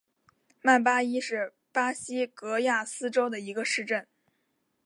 曼巴伊是巴西戈亚斯州的一个市镇。